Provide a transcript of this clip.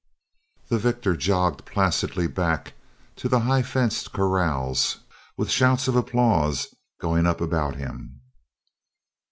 The victor jogged placidly back to the high fenced corrals, with shouts of applause going up about him.